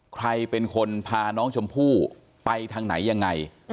ใครเป็นคนพาน้องชมพู่ไปทางไหนยังไง